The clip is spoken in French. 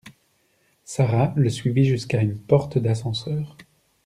Sara le suivi jusqu’à une porte d’ascenseur.